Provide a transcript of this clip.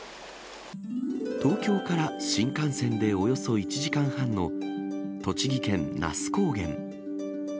東京から新幹線でおよそ１時間半の栃木県那須高原。